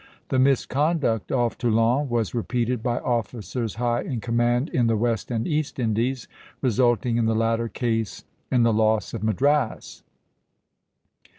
The misconduct off Toulon was repeated by officers high in command in the West and East Indies, resulting in the latter case in the loss of Madras.